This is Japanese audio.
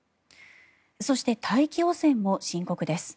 そして、大気汚染も深刻です。